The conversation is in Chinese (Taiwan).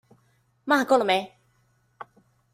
罵夠了沒？